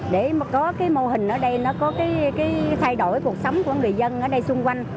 để có mô hình ở đây có thay đổi cuộc sống của người dân ở đây xung quanh